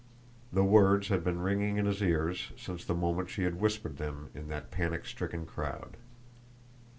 The words had been ringing in his ears since the moment she had whispered them in that panic stricken crowd.